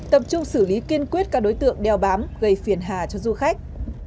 tập trung xử lý kiên quyết các đối tượng đeo bám gây phiền hà cho du khách